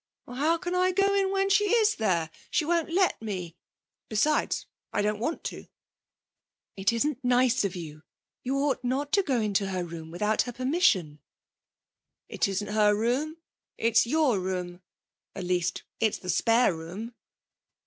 'How can I go in when she is there?... She won't let me. Besides, I don't want to.' 'It isn't nice of you; you ought not to go into her room without her permission.' 'It isn't her room; it's your room. At least, it's the spare room.'